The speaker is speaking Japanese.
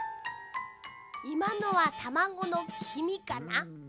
いまのはたまごのきみかな？